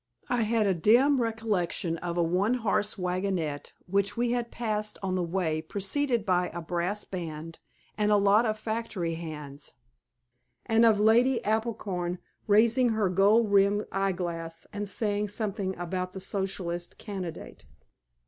I had a dim recollection of a one horse wagonette which we had passed on the way preceded by a brass band and a lot of factory hands, and of Lady Applecorn raising her gold rimmed eyeglass and saying something about the Socialist candidate.